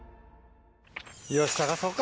よし探そうか。